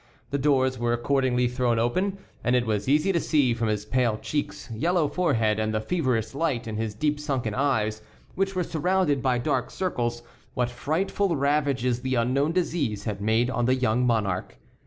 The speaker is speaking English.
The doors were accordingly thrown open, and it was easy to see, from his pale cheeks, yellow forehead, and the feverish light in his deep sunken eyes, which were surrounded by dark circles, what frightful ravages the unknown disease had made on the young monarch.